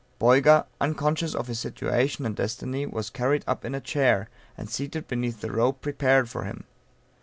Boyga, unconscious of his situation and destiny, was carried up in a chair, and seated beneath the rope prepared for him.